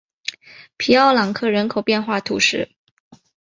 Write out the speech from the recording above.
皮奥朗克人口变化图示